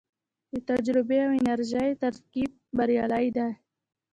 د تجربې او انرژۍ ترکیب بریالی دی